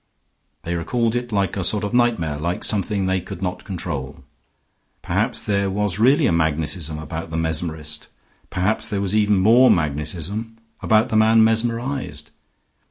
They recalled it like a sort of nightmare, like something they could not control. Perhaps there was really a magnetism about the mesmerist; perhaps there was even more magnetism about the man mesmerized.